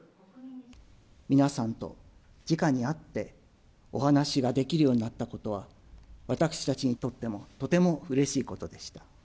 皆さんとじかに会って、お話ができるようになったことは、私たちにとってもとてもうれしいことでした。